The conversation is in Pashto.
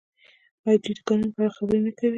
آیا دوی د کانونو په اړه خبرې نه کوي؟